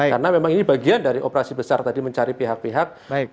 karena memang ini bagian dari operasi besar tadi mencari pihak pihak